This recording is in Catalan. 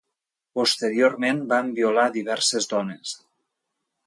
Posteriorment van violar a diverses dones.